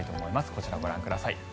こちらをご覧ください。